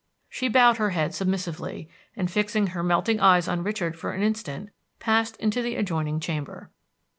She bowed her head submissively, and fixing her melting eyes on Richard for an instant passed into the adjoining chamber.